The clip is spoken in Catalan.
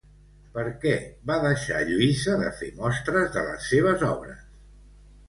Per què va deixar Lluïsa de fer mostres de les seves obres?